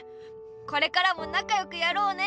これからもなかよくやろうね。